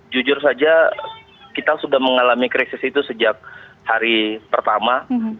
jujur saja kita sudah mengalami krisis itu sejak hari pertama